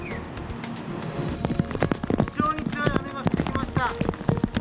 非常に強い雨が降ってきました。